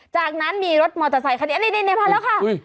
จากนั้นมีรถมอเตอร์ไซค์คนนี้นี่พอแล้วค่ะ